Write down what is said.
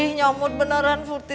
ih nyomot beneran surti